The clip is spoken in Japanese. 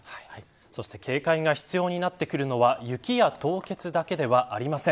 そして警戒が必要になってくるのは雪や凍結だけはありません。